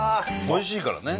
おいしいからね。